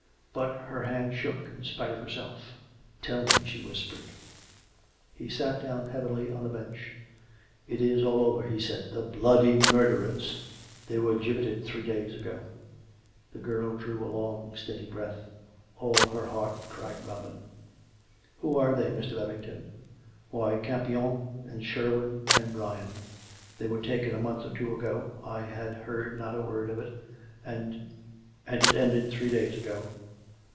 But her hand shook in spite of herself. " Tell me," she whispered. He sat down heavily on a bench. 184 COME RACK! COME, ROPE! " It is all over," he said. " The bloody murderers !... They were gibbeted three days ago." The girl drew a long, stead}'^ breath. All her heart cried " Robin." " Who are they, Mr. Babington ?"" Why, Campion and Sherwine and Brian. They were taken a month or two ago. ... I had heard not a word of it, and ... and it ended three days ago."